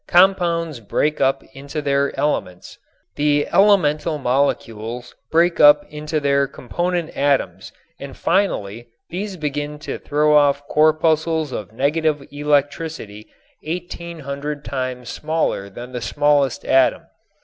Compounds break up into their elements. The elemental molecules break up into their component atoms and finally these begin to throw off corpuscles of negative electricity eighteen hundred times smaller than the smallest atom.